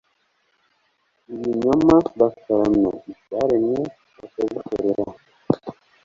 ibinyoma bakaramya ibyaremwe bakabikorera